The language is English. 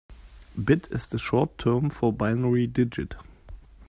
Bit is the short term for binary digit.